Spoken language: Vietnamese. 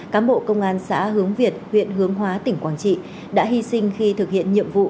cám bộ công an xã hướng việt huyện hướng hóa tỉnh quảng trị đã hy sinh khi thực hiện nhiệm vụ